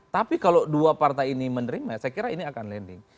tapi kalau dua partai ini menerima saya kira ini akan landing